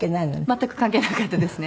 全く関係なかったですね。